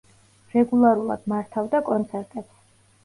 რეგულარულად მართავდა კონცერტებს.